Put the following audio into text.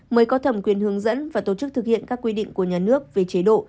mới có thẩm quyền hướng dẫn và tổ chức thực hiện các quy định của nhà nước về chế độ